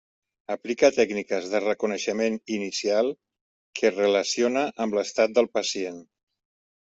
Aplica tècniques de reconeixement inicial que relaciona amb l'estat del pacient.